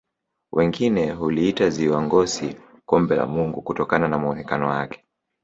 wengine huliita ziwa ngosi kombe la mungu kutokana na muonekano wake